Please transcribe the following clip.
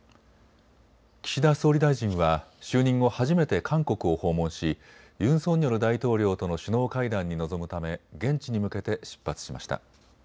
岸田総理大臣は就任後、初めて韓国を訪問しユン・ソンニョル大統領との首脳会談に臨むため現地に向けて出発しました。